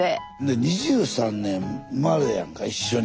２３年生まれやんか一緒に。